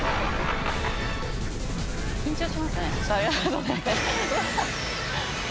緊張しますね。